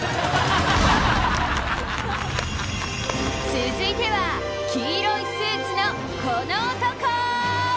続いては黄色いスーツのこの男！